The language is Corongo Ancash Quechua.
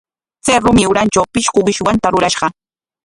Chay rumi urantraw pishqu qishwanta rurashqa.